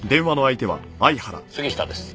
杉下です。